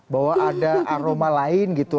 bahwa ada aroma lain gitu